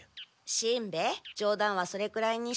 しんべヱじょう談はそれくらいにして。